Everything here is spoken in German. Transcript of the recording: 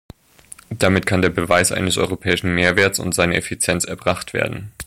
Damit kann der Beweis eines europäischen Mehrwerts und seiner Effizienz erbracht werden.